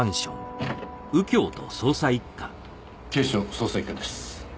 警視庁捜査一課です。